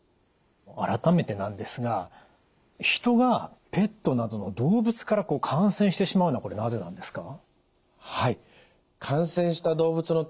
改めてなんですが人がペットなどの動物から感染してしまうのはなぜなんですか？